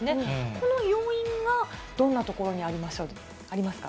この要因はどんなところにありますか。